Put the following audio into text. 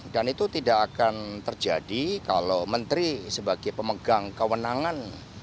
dan itu tidak akan terjadi kalau menteri sebagai pemegang kewenangan